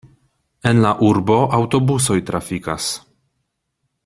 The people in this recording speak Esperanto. En la urbo aŭtobusoj trafikas.